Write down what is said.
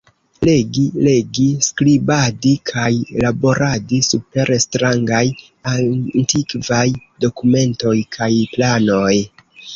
Legi, legi, skribadi kaj laboradi super strangaj, antikvaj dokumentoj kaj planoj.